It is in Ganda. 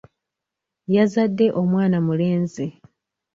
Yazadde omwana mulenzi.